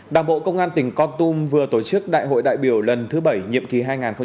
đảng bộ công an tỉnh con tum vừa tổ chức đại hội đại biểu lần thứ bảy nhiệm kỳ hai nghìn hai mươi hai nghìn hai mươi năm